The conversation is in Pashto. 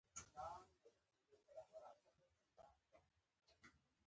پخو لیکنو کې تاثیر وي